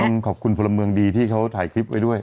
ขอบคุณพลเมืองดีที่เขาถ่ายคลิปไว้ด้วย